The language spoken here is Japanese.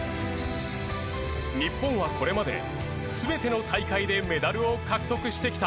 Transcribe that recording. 日本はこれまで全ての大会でメダルを獲得してきた。